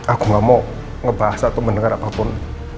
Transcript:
aku nggak mau ngebahas atau mendengar apapun